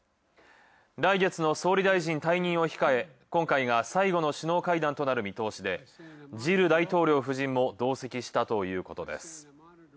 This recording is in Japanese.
来月の総理大臣退任を控え、今回が最後の首脳会談となる見通しで、ジル大統領夫人も同席したということです。